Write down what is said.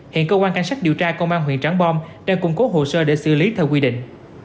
hiện cơ quan cảnh sát điều tra công an huyện trắng bom đang cung cố hồ sơ để xử lý theo quy định